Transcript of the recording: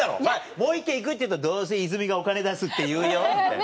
「もう１軒行く」って言うと「どうせ泉がお金出すって言うよ」みたいな。